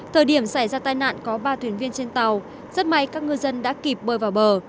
thời điểm xảy ra tai nạn có ba thuyền viên trên tàu rất may các ngư dân đã kịp bơi vào bờ